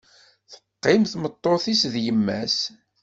Teqqim-d tmeṭṭut-is d yemma-s.